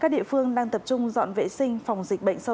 những địa phương đang tập trung dọn vệ sinh phòng dịch bệnh sau lũ